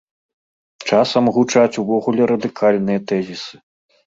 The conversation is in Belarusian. Часам гучаць увогуле радыкальныя тэзісы.